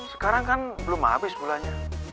sekarang kan belum habis bulannya